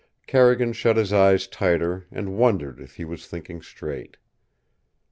Carrigan shut his eyes tighter and wondered if he was thinking straight.